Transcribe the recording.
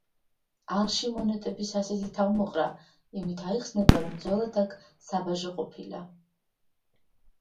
ალში მონეტების ასეთი თავმოყრა იმით აიხსნება, რომ ძველად აქ საბაჟო ყოფილა.